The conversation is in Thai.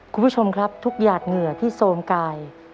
คุณผู้ชมครับทุกหยาดเหงื่อที่โซมกาย